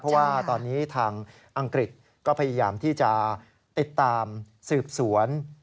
เพราะว่าตอนนี้ทางอังกฤษก็พยายามที่จะติดตามสืบสวน